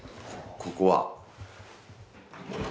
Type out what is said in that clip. ここは。